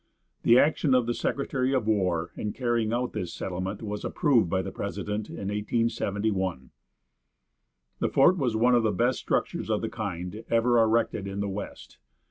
The action of the secretary of war in carrying out this settlement was approved by the president in 1871. The fort was one of the best structures of the kind ever erected in the West.